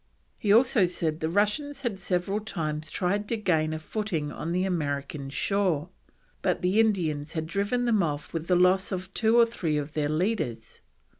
He also said the Russians had several times tried to gain a footing on the American shore, but the Indians had driven them off with the loss of two or three of their leaders.